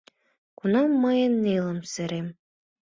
Кунам мые нелын серем.